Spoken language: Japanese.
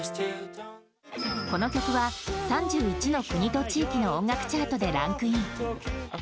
この曲は３１の国と地域の音楽チャートでランクイン。